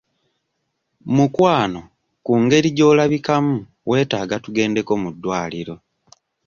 Mukwano ku ngeri gy'olabikamu weetaaga tugendeko mu ddwaliro.